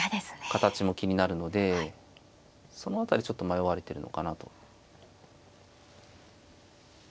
形も気になるのでその辺りちょっと迷われてるのかなと。